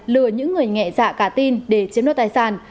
lừa những người nghệ dạ cả tin để chiếm đốt tài sản